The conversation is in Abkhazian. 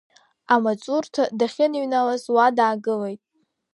Амаҵурҭа дахьыныҩналаз уа даагылеит.